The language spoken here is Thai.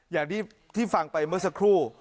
อย่างที่ฟังไปเมื่อสักครู่